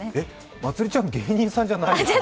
まつりちゃん、芸人さんじゃないよね？